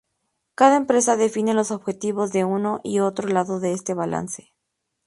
Cada empresa define los objetivos de uno y otro lado de este balance.